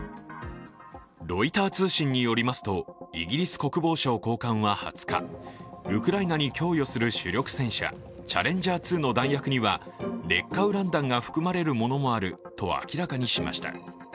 ロイター通信によりますと、イギリス国防省高官は２０日、ウクライナに供与する主力戦車、チャレンジャー２の弾薬には劣化ウラン弾が含まれるものもあると明らかにしました。